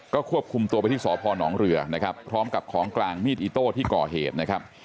ก็ควบคุมตัวไปที่สพหนองเรือพร้อมกับของกลางมีดอิโต้ที่ก่อเหตุ